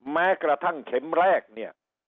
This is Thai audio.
แม้กระทั่งเข็มแรกเนี่ย